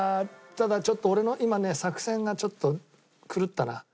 ただちょっと俺の今ね作戦がちょっと狂ったな。